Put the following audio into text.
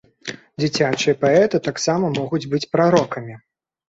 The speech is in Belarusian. Дзіцячыя паэты таксама могуць быць прарокамі.